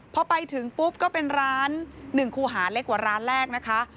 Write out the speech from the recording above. พอไปถึงปุ๊บก็เป็นร้าน๑คู่หาเล็กกว่าร้านแรกนะคะ